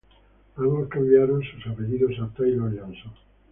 Ambos cambiaron sus apellidos a "Taylor-Johnson".